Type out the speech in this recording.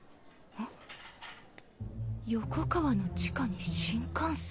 横川の地下に新幹線。